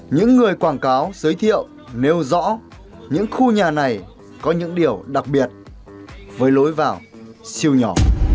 những người quảng cáo giới thiệu nêu rõ những khu nhà này có những điều đặc biệt với lối vào siêu nhỏ